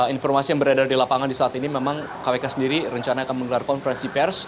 informasi yang beredar di lapangan di saat ini memang kpk sendiri rencana akan menggelar konferensi pers